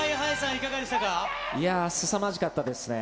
いやー、すさまじかったですね。